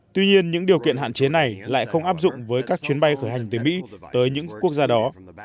tuy nhiên những điều kiện hạn chế này lại không áp dụng với các chuyến bay khởi hành từ mỹ tới những quốc gia đó